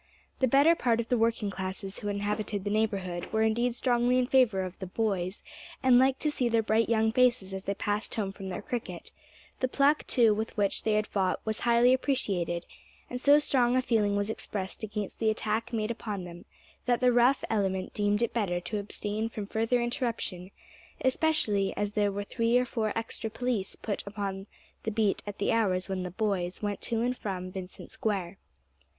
The better part of the working classes who inhabited the neighbourhood were indeed strongly in favour of the "boys," and liked to see their bright young faces as they passed home from their cricket; the pluck too with which they had fought was highly appreciated, and so strong a feeling was expressed against the attack made upon them, that the rough element deemed it better to abstain from further interruption, especially as there were three or four extra police put upon the beat at the hours when the "boys" went to and from Vincent Square.